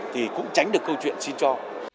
thì cũng tránh được câu chuyện xin cho